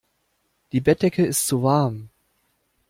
Die Bettdecke ist zu warm.